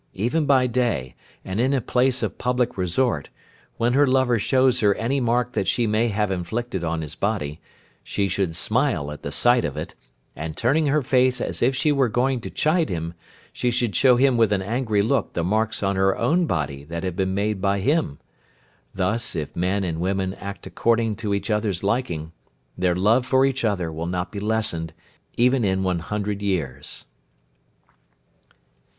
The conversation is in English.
Even by day, and in a place of public resort, when her lover shows her any mark that she may have inflicted on his body, she should smile at the sight of it, and turning her face as if she were going to chide him, she should show him with an angry look the marks on her own body that have been made by him. Thus if men and women act according to each other's liking, their love for each other will not be lessened even in one hundred years."